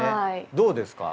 どうですか？